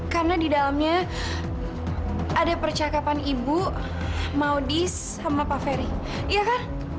karena di dalamnya ada percakapan ibu maudis sama pak ferry iya kan